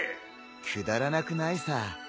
くだらなくないさ。